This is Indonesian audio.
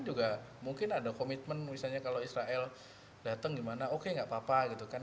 juga mungkin ada komitmen misalnya kalau israel datang gimana oke nggak papa gitu kan